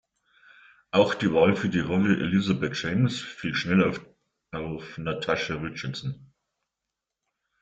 Auch die Wahl für die Rolle Elizabeth James fiel schnell auf Natasha Richardson.